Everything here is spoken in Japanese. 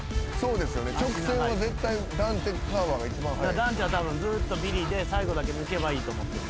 ダンテはずっとビリで最後だけ抜けばいいと思ってる。